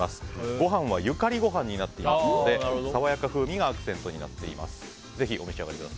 ご飯はゆかりご飯になっていますので爽やか風味がアクセントになっています。